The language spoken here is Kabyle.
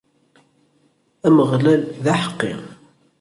Ameɣlal, d aḥeqqi.